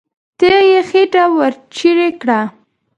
تیغ یې خېټه ورڅېړې کړه.